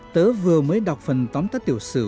tớ vừa mới đọc phần tóm tắt tiểu sử